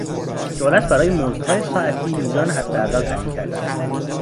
دولت برای مزدهای ساعتی میزان حداقل تعیین کرده است.